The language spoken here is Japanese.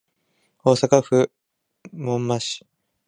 大阪府門真市